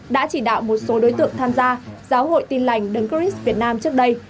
đã chỉ đạo một số đối tượng tham gia giáo hội tin lành đấng cris việt nam trước đây